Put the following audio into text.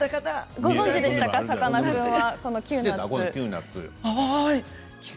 ご存じでしたかさかなクンは。